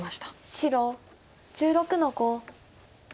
白１６の五。